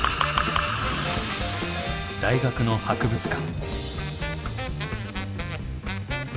大学の博物館。